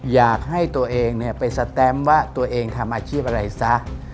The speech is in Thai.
อยากให้ตัวเองไปสแตมว่าตัวเองทำอาชีพอะไรซะ